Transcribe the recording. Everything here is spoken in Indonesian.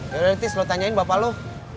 yaudah ritis lo tanyain bapak lo